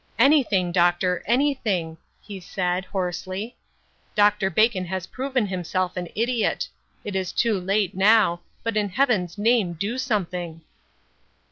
" Anything, Doctor — anything !" he said, hoarsely. Dr. Bacon has proved himself an idiot. It is too late now ; but, in heaven's name, do something."